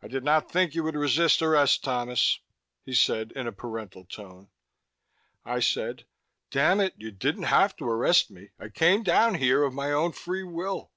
"I did not think you would resist arrest, Thomas," he said in a parental tone. I said, "Damn it, you didn't have to arrest me! I came down here of my own free will!"